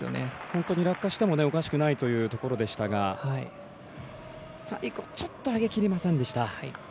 落下してもおかしくないところでしたがちょっとあげきりませんでした。